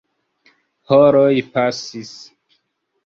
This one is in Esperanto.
Horoj pasis.